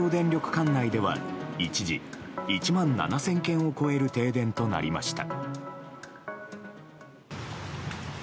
管内では一時１万７０００軒を超える停電となりました。